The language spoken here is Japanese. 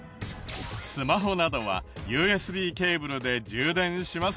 スマホなどはＵＳＢケーブルで充電しますよね。